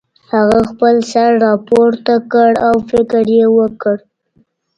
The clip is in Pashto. هغه خپل سر راپورته کړ او فکر یې وکړ